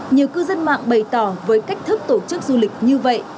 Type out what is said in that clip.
nhiều cư dân mạng bày tỏ với cách thức tổ chức du lịch như vậy